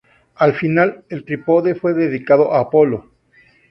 Al final, el trípode fue dedicado a Apolo.